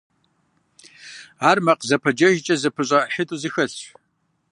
Ар макъ зэпэджэжкӀэ зэпыщӀа ӀыхьитӀу зэхэлъщ.